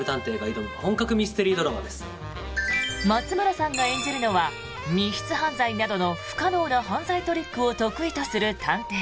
松村さんが演じるのは密室犯罪などの不可能な犯罪トリックを得意とする探偵。